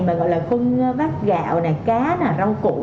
mà gọi là khung vác gạo cá rau củ